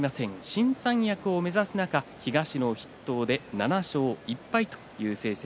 新三役を目指す中東の筆頭で７勝１敗という成績。